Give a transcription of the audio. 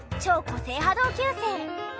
個性派同級生！